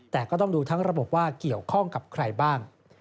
แต่ก็ต้องดูทั้งระบบว่าเกี่ยวข้องกับใครบ้าง